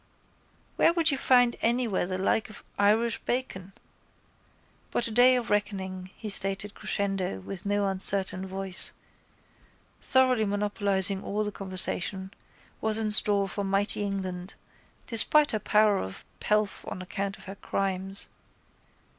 Where would you find anywhere the like of Irish bacon? But a day of reckoning, he stated crescendo with no uncertain voice, thoroughly monopolising all the conversation, was in store for mighty England, despite her power of pelf on account of her crimes.